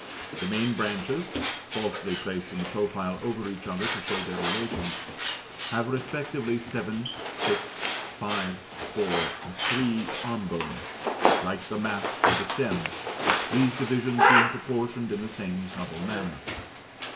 The main branches (falsely placed in the profile over each other to show their relations) have respectively seven, six, five, four, and three arm bones, like the masts of the stem; these divisions being proportioned in the same subtle manner.